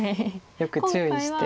よく注意して。